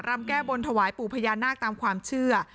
รำแก้บนถวายปู่พญานาคตามความเชื่อ